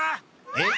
えっ？